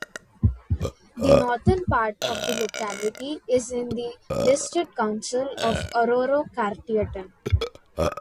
The northern part of the locality is in the District Council of Orroroo Carrieton.